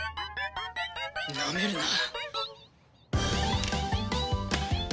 なめるな！